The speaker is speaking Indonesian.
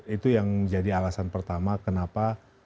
itu yang jadi alasan pertama kenapa